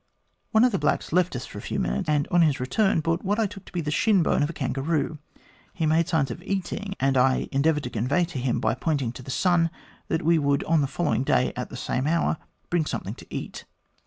One of the blacks left us for a few minutes, and on his return brought what I took to be the shin bone of a kangaroo. He made signs of eating, and I endeavoured to convey to him, by pointing to the sun, that we would on the following day, at the same hour, bring something to eat.